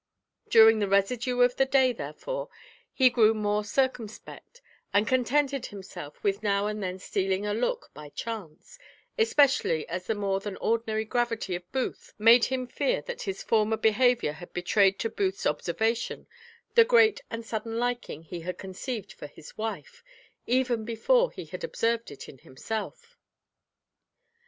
During the residue of the day, therefore, he grew more circumspect, and contented himself with now and then stealing a look by chance, especially as the more than ordinary gravity of Booth made him fear that his former behaviour had betrayed to Booth's observation the great and sudden liking he had conceived for his wife, even before he had observed it in himself.